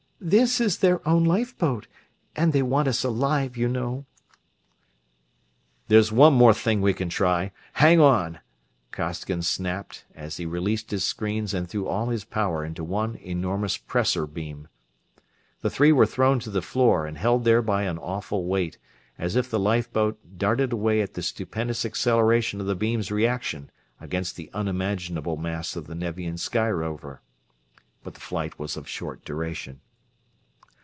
"This is their own lifeboat, and they want us alive, you know." "There's one more thing we can try hang on!" Costigan snapped, as he released his screens and threw all his power into one enormous pressor beam. The three were thrown to the floor and held there by an awful weight, as if the lifeboat darted away at the stupendous acceleration of the beam's reaction against the unimaginable mass of the Nevian sky rover; but the flight was of short duration.